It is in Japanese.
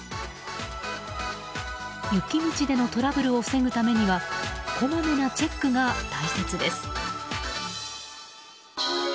雪道でのトラブルを防ぐためにはこまめなチェックが大切です。